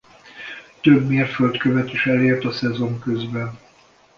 Több mérföldkövet is elért a szezon közben.